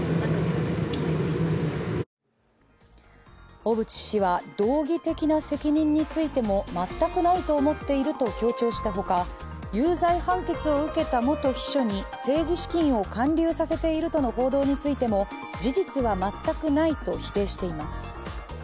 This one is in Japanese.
小渕氏は道義的な責任についても全くないと思っていると強調したほか有罪判決を受けた元秘書に政治資金を還流させているとの報道についても事実は全くないと否定しています。